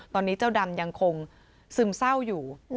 ตอนนี้เจ้าดำยังคงซึมเศร้าอยู่